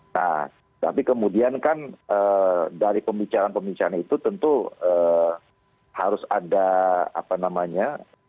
nah tapi kemudian kan dari pembicaraan pembicaraan itu tentu harus ada apa namanya